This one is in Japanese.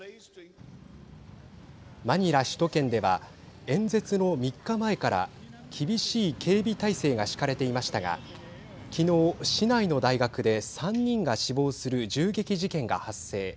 マニラ首都圏では演説の３日前から厳しい警備態勢が敷かれていましたがきのう、市内の大学で３人が死亡する銃撃事件が発生。